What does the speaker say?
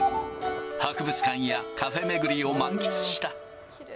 博物館やカフェ巡りを満喫した。